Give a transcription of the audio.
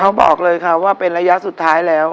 บอกเลยค่ะว่าเป็นระยะสุดท้ายแล้ว